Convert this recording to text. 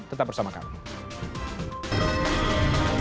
tetap bersama kami